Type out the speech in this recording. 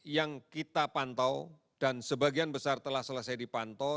yang kita pantau dan sebagian besar telah selesai dipantau